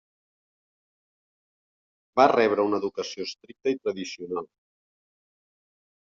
Va rebre una educació estricta i tradicional.